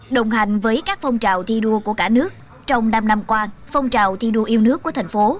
đồng hành với các phong trào thi đua của cả nước trong năm năm qua phong trào thi đua yêu nước của thành phố